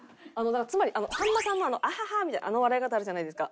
つまりさんまさんの「アハハ！」みたいなあの笑い方あるじゃないですか。